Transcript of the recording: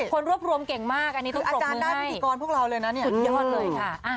คนรวบรวมเก่งมากอันนี้ต้องปลูกมือให้คืออาจารย์ด้านพิธีกรพวกเราเลยนะเนี่ยสุดยอดเลยค่ะ